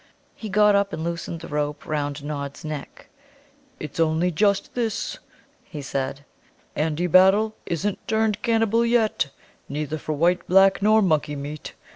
He got up and loosened the rope round Nod's neck. "It's only just this," he said. "Andy Battle isn't turned cannibal yet neither for white, black, nor monkey meat.